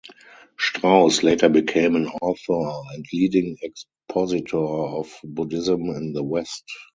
Strauss later became an author and leading expositor of Buddhism in the West.